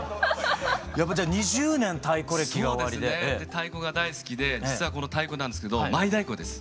太鼓が大好きで実はこの太鼓なんですけどマイ太鼓です。